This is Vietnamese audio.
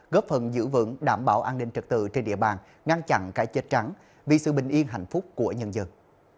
góp phần giữ vững đảm bảo an ninh trật tự trên địa bàn ngăn chặn cái chết trắng vì sự bình yên hạnh phúc của nhân dân